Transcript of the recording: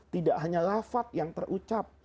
tidak hanya lafat yang terucap